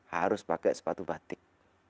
harus pakai sepatu batik